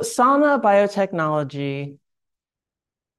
So Sana Biotechnology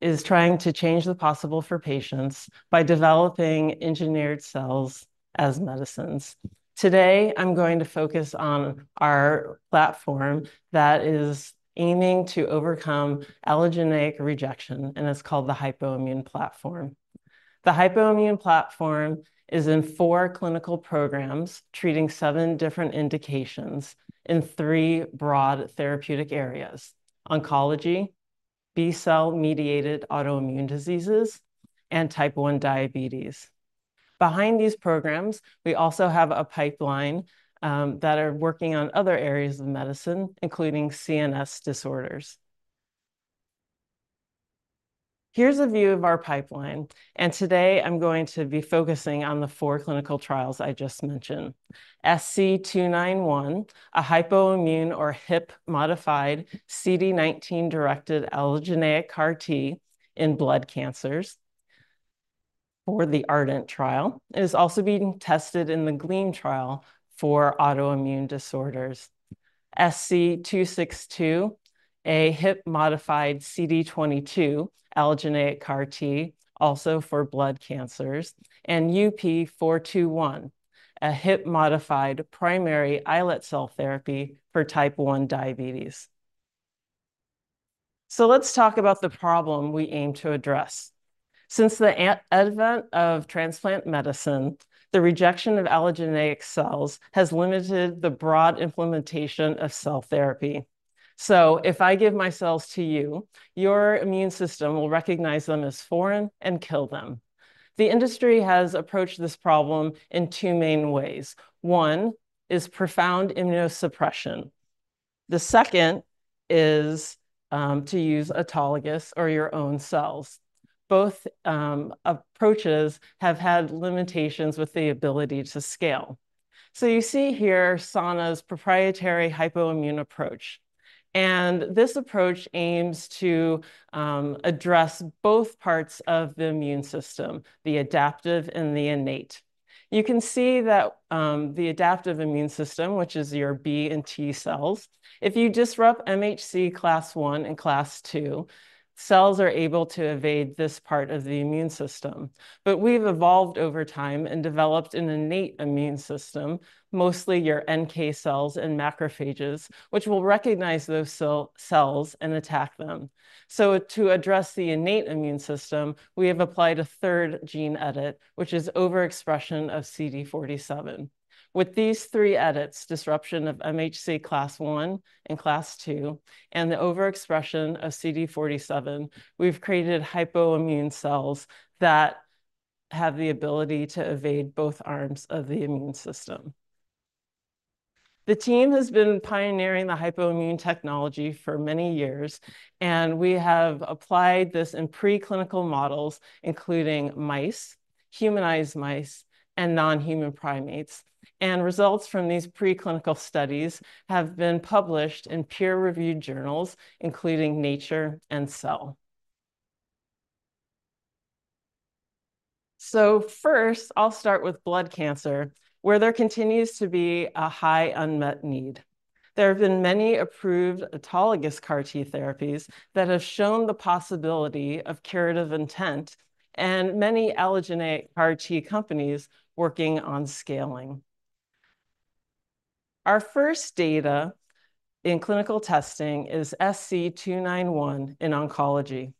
is trying to change the possible for patients by developing engineered cells as medicines. Today, I'm going to focus on our platform that is aiming to overcome allogeneic rejection, and it's called the Hypoimmune platform. The Hypoimmune platform is in four clinical programs, treating seven different indications in three broad therapeutic areas: oncology, B-cell-mediated autoimmune diseases, and Type 1 diabetes. Behind these programs, we also have a pipeline that are working on other areas of medicine, including CNS disorders. Here's a view of our pipeline, and today I'm going to be focusing on the four clinical trials I just mentioned. SC291, a Hypoimmune or HIP-modified CD19-directed allogeneic CAR T in blood cancers for the ARDENT trial. It is also being tested in the GLEAM trial for autoimmune disorders. SC262, a HIP-modified CD22 allogeneic CAR T, also for blood cancers, and UP421, a HIP-modified primary islet cell therapy for Type 1 diabetes. So let's talk about the problem we aim to address. Since the advent of transplant medicine, the rejection of allogeneic cells has limited the broad implementation of cell therapy. So if I give my cells to you, your immune system will recognize them as foreign and kill them. The industry has approached this problem in two main ways. One is profound immunosuppression. The second is to use autologous, or your own cells. Both approaches have had limitations with the ability to scale. So you see here Sana's proprietary Hypoimmune approach, and this approach aims to address both parts of the immune system, the adaptive and the innate. You can see that the adaptive immune system, which is your B and T cells, if you disrupt MHC class I and class II, cells are able to evade this part of the immune system. But we've evolved over time and developed an innate immune system, mostly your NK cells and macrophages, which will recognize those cells and attack them. So to address the innate immune system, we have applied a third gene edit, which is overexpression of CD47. With these three edits, disruption of MHC class I and class II, and the overexpression of CD47, we've created Hypoimmune cells that have the ability to evade both arms of the immune system. The team has been pioneering the Hypoimmune technology for many years, and we have applied this in preclinical models, including mice, humanized mice, and non-human primates. Results from these preclinical studies have been published in peer-reviewed journals, including Nature and Cell. First, I'll start with blood cancer, where there continues to be a high unmet need. There have been many approved autologous CAR T therapies that have shown the possibility of curative intent and many allogeneic CAR T companies working on scaling. Our first data in clinical testing is SC291 in oncology.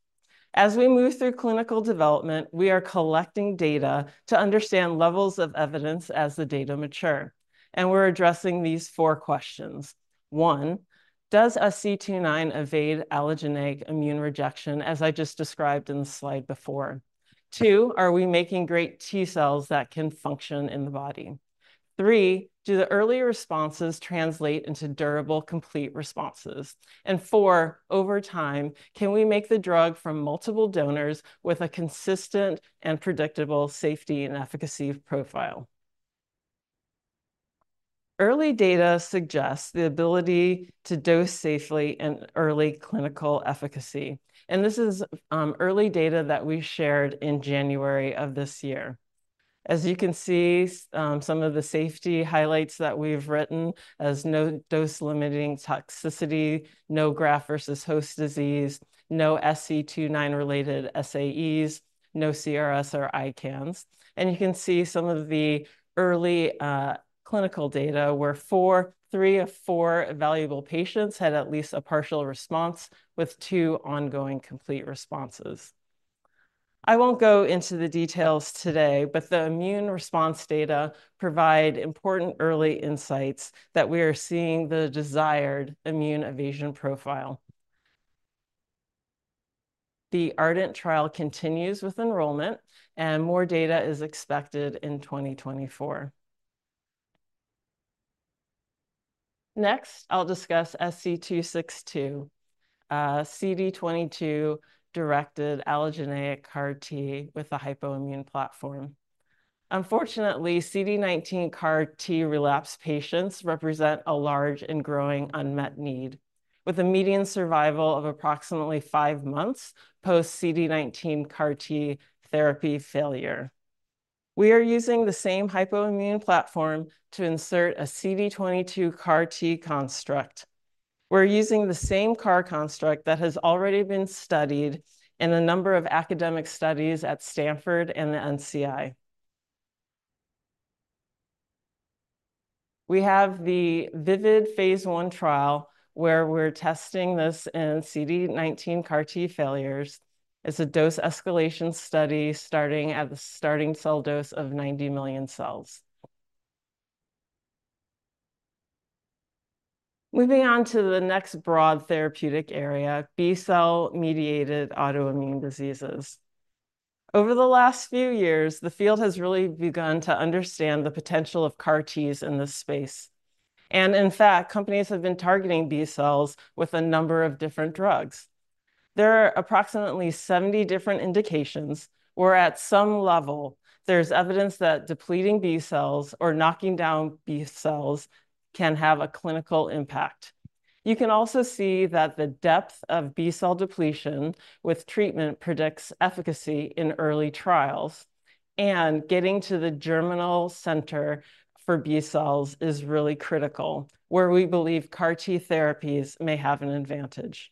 As we move through clinical development, we are collecting data to understand levels of evidence as the data mature, and we're addressing these four questions. One, does SC291 evade allogeneic immune rejection, as I just described in the slide before? Two, are we making great T cells that can function in the body? Three, do the early responses translate into durable, complete responses? Four, over time, can we make the drug from multiple donors with a consistent and predictable safety and efficacy profile? Early data suggests the ability to dose safely and early clinical efficacy, and this is early data that we shared in January of this year. As you can see, some of the safety highlights that we've written as no dose-limiting toxicity, no graft-versus-host disease, no SC291-related SAEs, no CRS or ICANS. You can see some of the early clinical data, where three of four evaluable patients had at least a partial response, with two ongoing complete responses. I won't go into the details today, but the immune response data provide important early insights that we are seeing the desired immune evasion profile. The ARDENT trial continues with enrollment, and more data is expected in 2024. Next, I'll discuss SC262, CD22-directed allogeneic CAR T with a Hypoimmune platform. Unfortunately, CD19 CAR T relapse patients represent a large and growing unmet need, with a median survival of approximately five months post CD19 CAR T therapy failure. We are using the same Hypoimmune platform to insert a CD22 CAR T construct. We're using the same CAR construct that has already been studied in a number of academic studies at Stanford and the NCI. We have the VIVID phase I trial, where we're testing this in CD19 CAR T failures. It's a dose escalation study starting at the starting cell dose of 90 million cells. Moving on to the next broad therapeutic area, B-cell-mediated autoimmune diseases. Over the last few years, the field has really begun to understand the potential of CAR Ts in this space, and in fact, companies have been targeting B cells with a number of different drugs. There are approximately seventy different indications, where at some level, there's evidence that depleting B cells or knocking down B cells can have a clinical impact. You can also see that the depth of B-cell depletion with treatment predicts efficacy in early trials, and getting to the germinal center for B cells is really critical, where we believe CAR T therapies may have an advantage.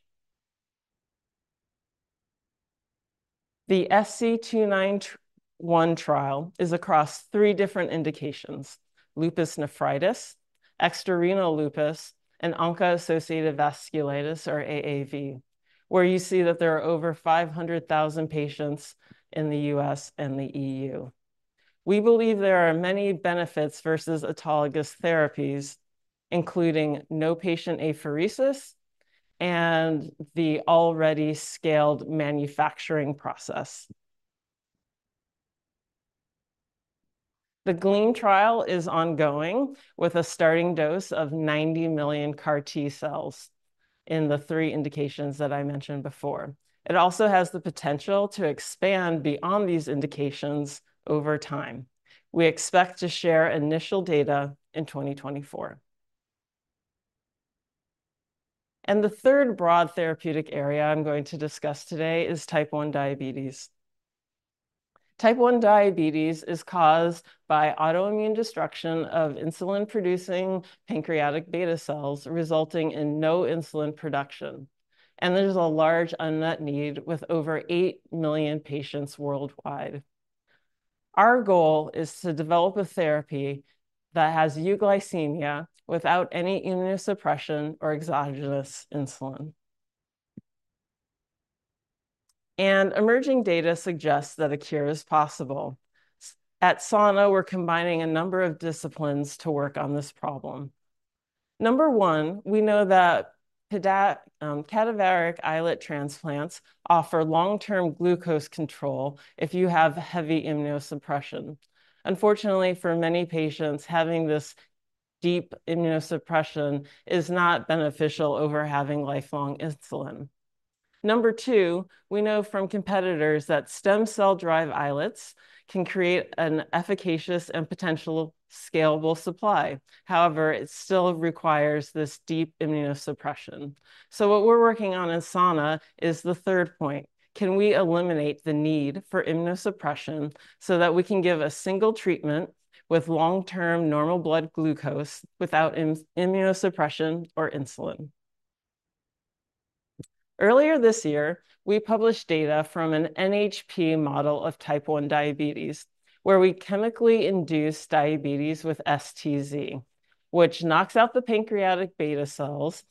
The SC291 trial is across three different indications: lupus nephritis, extrarenal lupus, and ANCA-associated vasculitis, or AAV, where you see that there are over five hundred thousand patients in the U.S. and the E.U. We believe there are many benefits versus autologous therapies, including no patient apheresis and the already scaled manufacturing process. The GLEAM trial is ongoing, with a starting dose of 90 million CAR T cells in the three indications that I mentioned before. It also has the potential to expand beyond these indications over time. We expect to share initial data in 2024. And the third broad therapeutic area I'm going to discuss today is Type 1 diabetes. Type 1 diabetes is caused by autoimmune destruction of insulin-producing pancreatic beta cells, resulting in no insulin production, and there's a large unmet need, with over 8 million patients worldwide. Our goal is to develop a therapy that has euglycemia without any immunosuppression or exogenous insulin. And emerging data suggests that a cure is possible. At Sana, we're combining a number of disciplines to work on this problem. Number one, we know that cadaveric islet transplants offer long-term glucose control if you have heavy immunosuppression. Unfortunately, for many patients, having this deep immunosuppression is not beneficial over having lifelong insulin. Number two, we know from competitors that stem cell-derived islets can create an efficacious and potential scalable supply. However, it still requires this deep immunosuppression. So what we're working on in Sana is the third point: Can we eliminate the need for immunosuppression so that we can give a single treatment with long-term normal blood glucose without immunosuppression or insulin? Earlier this year, we published data from an NHP model of Type 1 diabetes, where we chemically induced diabetes with STZ, which knocks out the pancreatic beta cells.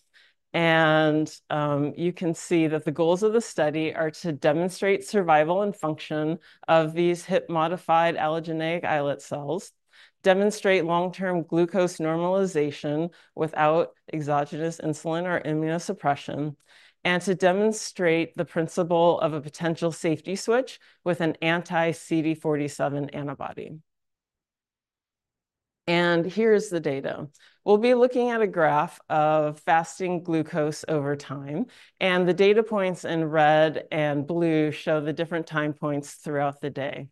You can see that the goals of the study are to demonstrate survival and function of these HIP-modified allogeneic islet cells, demonstrate long-term glucose normalization without exogenous insulin or immunosuppression, and to demonstrate the principle of a potential safety switch with an anti-CD47 antibody. Here's the data. We'll be looking at a graph of fasting glucose over time, and the data points in red and blue show the different time points throughout the day.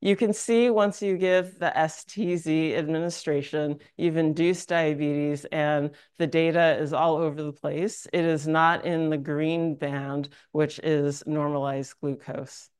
You can see once you give the STZ administration, you've induced diabetes, and the data is all over the place. It is not in the green band, which is normalized glucose.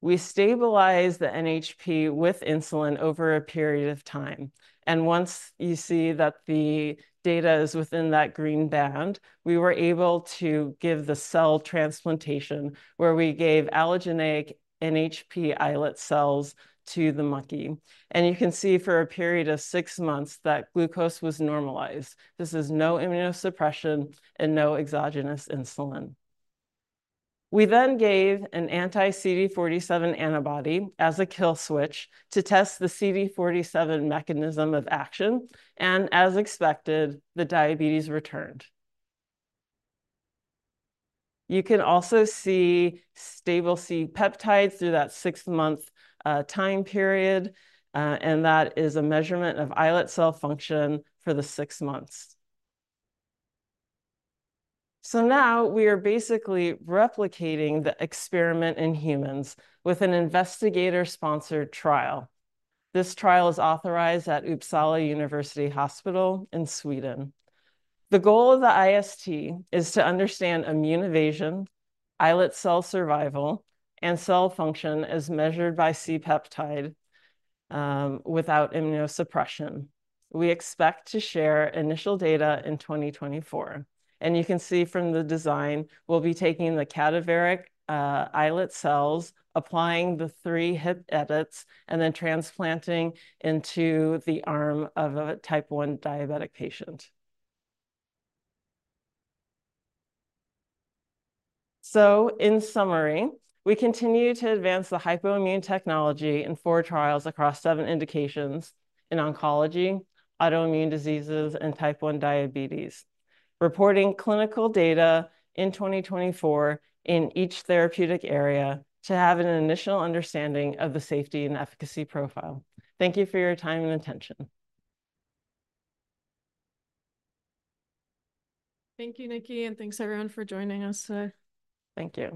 We stabilize the NHP with insulin over a period of time, and once you see that the data is within that green band, we were able to give the cell transplantation, where we gave allogeneic NHP islet cells to the monkey. You can see for a period of six months that glucose was normalized. This is no immunosuppression and no exogenous insulin. We then gave an anti-CD47 antibody as a kill switch to test the CD47 mechanism of action, and as expected, the diabetes returned. You can also see stable C-peptides through that six-month time period, and that is a measurement of islet cell function for the six months. Now we are basically replicating the experiment in humans with an investigator-sponsored trial. This trial is authorized at Uppsala University Hospital in Sweden. The goal of the IST is to understand immune evasion, islet cell survival, and cell function as measured by C-peptide, without immunosuppression. We expect to share initial data in 2024, and you can see from the design, we'll be taking the cadaveric islet cells, applying the three HIP edits, and then transplanting into the arm of a Type 1 diabetic patient. So in summary, we continue to advance the Hypoimmune technology in four trials across seven indications in oncology, autoimmune diseases, and Type 1 diabetes. Reporting clinical data in 2024 in each therapeutic area to have an initial understanding of the safety and efficacy profile. Thank you for your time and attention. Thank you, Nikki, and thanks, everyone, for joining us today. Thank you.